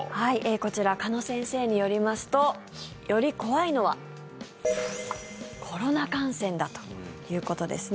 こちら鹿野先生によりますとより怖いのはコロナ感染だということですね。